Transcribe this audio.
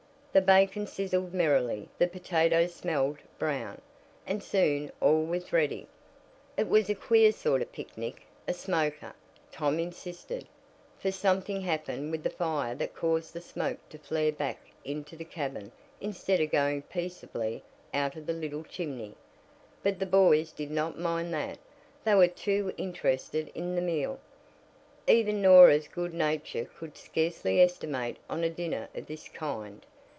The bacon sizzled merrily, the potatoes smelled "brown," and soon all was ready. It was a queer sort of picnic a "smoker," Tom insisted, for something happened with the fire that caused the smoke to flare back into the cabin instead of going peaceably out of the little chimney. But the boys did not mind that they were too interested in the meal. Even Norah's good nature could scarcely estimate on a dinner of this kind.